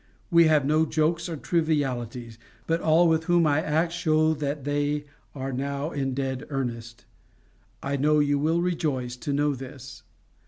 We have no jokes or trivialities, but all with whom I act show that they are now in dead earnest. I know you will rejoice to know this.